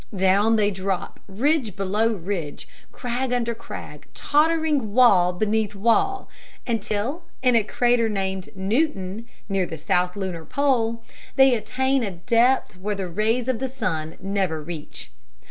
Down they drop, ridge below ridge, crag under crag, tottering wall beneath wall, until, in a crater named "Newton," near the south lunar pole, they attain a depth where the rays of the sun never reach.